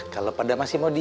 kalo pada masih mau diem